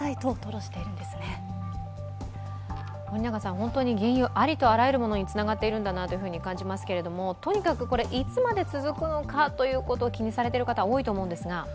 本当に原油、ありとあらゆるものにつながっているんだなと感じますがとにかくいつまで続くのかということを気にされている方、多いと思うんですが。